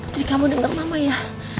jadi kamu denger mama ya